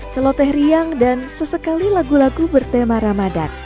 celoteh riang dan sesekali lagu lagu bertema ramadan